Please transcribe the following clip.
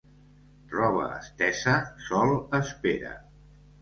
Roba estesa, sol espera.